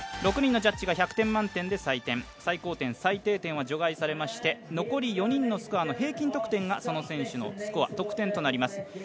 ６人のジャッジが１００点満点で採点、最高点、最低点が除外されまして残り４人のスコアの平均得点がその選手のスコア、得点となります